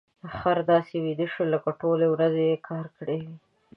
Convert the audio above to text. خر داسې ویده شو لکه ټولې ورځې يې کار کړی وي.